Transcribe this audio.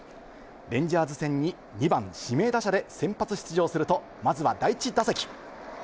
レンジャーズ戦に２番・指名打者で先発出場すると、まずは第１打席。